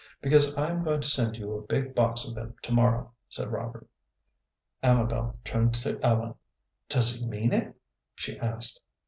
"Because I am going to send you a big box of them to morrow," said Robert. Amabel turned to Ellen. "Does he mean it?" she asked.